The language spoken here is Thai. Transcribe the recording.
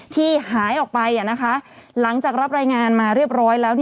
ที่หายออกไปหลังจากรับรายงานมาเรียบร้อยแล้ว